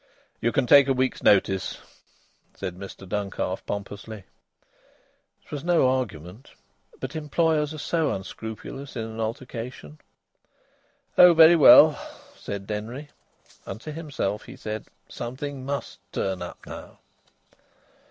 "You can take a week's notice," said Mr Duncalf, pompously. It was no argument. But employers are so unscrupulous in an altercation. "Oh, very well," said Denry; and to himself he said: "Something must turn up, now."